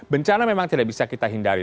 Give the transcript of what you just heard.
bencana memang tidak bisa kita hindari